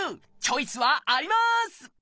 チョイスはあります！